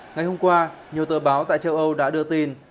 ngày hôm qua nhiều tờ báo tại châu âu đã đưa tin